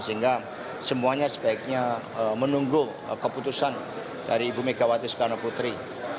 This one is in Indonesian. sehingga semuanya sebaiknya menunggu keputusan dari ibu megawati soekarno putri